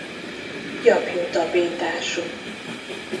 Gyapjú tapintású.